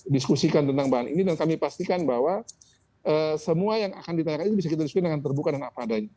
diskusikan tentang bahan ini dan kami pastikan bahwa semua yang akan ditanyakan itu bisa kita diskusikan dengan terbuka dan apa adanya